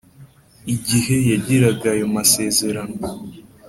igihe yagiraga ayo masezerano